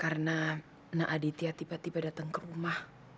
karena nak aditya tiba tiba datang ke rumah